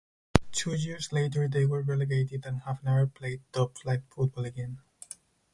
Two years later they were relegated and have never played top-flight football again.